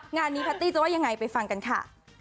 งานนี้แพตตี้จะว่ายังไงไปฟังกันค่ะ